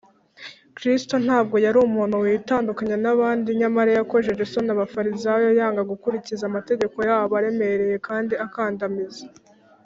Kristo ntabwo yari umuntu witandukanya n’abandi, nyamara yakojeje isoni Abafarisayo yanga gukurikiza amategeko yabo aremereye kandi akandamiza.